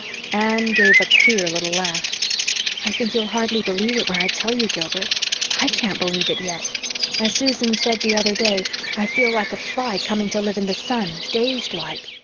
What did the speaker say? Anne gave a queer little laugh. "I think you'll hardly believe it when I tell you, Gilbert. I can't believe it yet. As Susan said the other day, 'I feel like a fly coming to live in the sun dazed like.'